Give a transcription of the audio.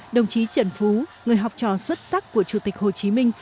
đồng chí trần phú người học trò xuất sắc của chủ tịch hồ chí minh